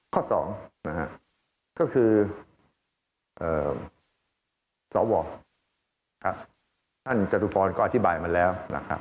ข้อสองก็คือสวท่านจตุภรณ์ก็อธิบายมาแล้ว